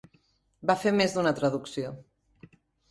Va fer més d'una traducció.